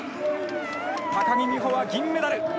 高木美帆は銀メダル。